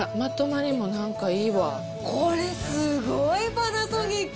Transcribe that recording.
あらっ、これ、すごい、パナソニック。